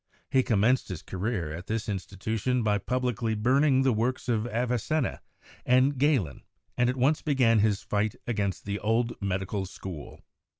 He commenced his career at this insti tution by publicly burning the works of Avicenna and Galen, and at once began his fight against the old medical school.